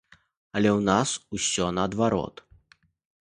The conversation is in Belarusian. Але ў нас усё наадварот.